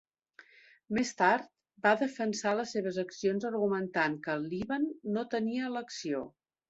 Més tard, va defensar les seves accions argumentant que el Líban no tenia elecció.